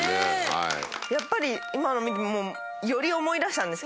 やっぱり今の見てもより思い出したんですけど